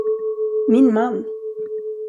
Min man!